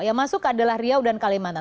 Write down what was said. yang masuk adalah riau dan kalimantan